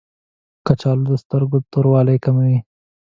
کچالو د سترګو توروالی کموي